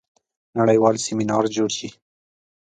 نړیوال سیمینار جوړ شي.